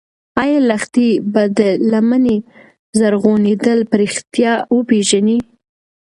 ایا لښتې به د لمنې زرغونېدل په رښتیا وپېژني؟